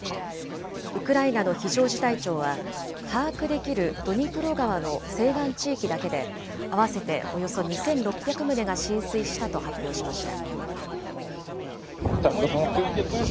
ウクライナの非常事態庁は、把握できるドニプロ川の西岸地域だけで、合わせておよそ２６００棟が浸水したと発表しました。